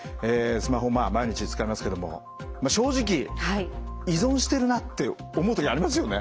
スマホ毎日使いますけども正直依存してるなって思う時ありますよね？